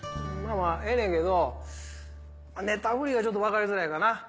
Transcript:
ええねんけどネタ振りがちょっと分かりづらいかな。